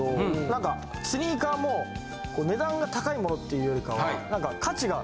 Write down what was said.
なんかスニーカーも値段が高いものっていうよりかは。